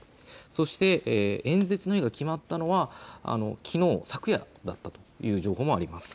そして演説が決まったのは昨夜だったという情報もあります。